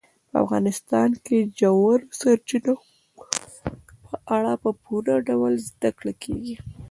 په افغانستان کې د ژورو سرچینو په اړه په پوره ډول زده کړه کېږي.